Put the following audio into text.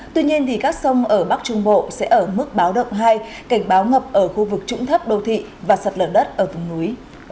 tuy nhiên các sông ở bắc trung bộ sẽ ở mức báo động hai cảnh báo ngập ở khu vực trũng thấp đô thị và sặt lở đất ở vùng núi